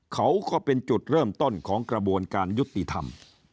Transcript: เขาก็เป็นจุดเริ่มต้นของกระบวนการยุติธรรม